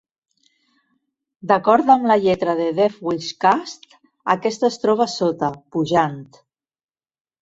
D'acord amb la lletra de Def Wish Cast, aquesta es troba sota, pujant.